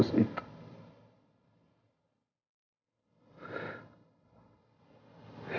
aku mau berusaha